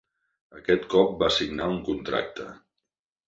Aquest cop va signar un contracte.